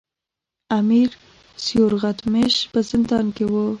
امیر سیورغتمیش په زندان کې وو.